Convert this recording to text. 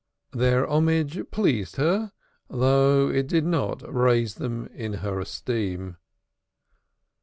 Their homage pleased her, though it did not raise them in her esteem.